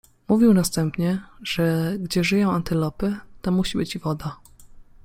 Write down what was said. Mówił następnie, że, gdzie żyją antylopy, tam musi być i woda.